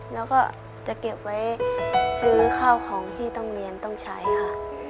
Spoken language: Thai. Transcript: แล้วก็จะเก็บไว้ซื้อข้าวของที่ต้องเรียนต้องใช้ค่ะ